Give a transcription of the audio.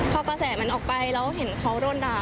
พอกระแสมันออกไปแล้วเห็นเขาโดนด่า